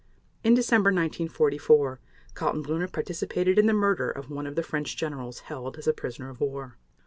In December 1944 Kaltenbrunner participated in the murder of one of the French generals held as a prisoner of war.